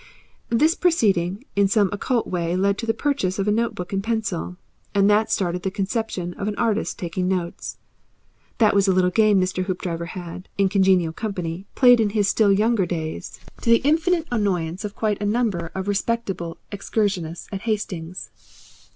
This proceeding in some occult way led to the purchase of a note book and pencil, and that started the conception of an artist taking notes. That was a little game Mr. Hoopdriver had, in congenial company, played in his still younger days to the infinite annoyance of quite a number of respectable excursionists at Hastings.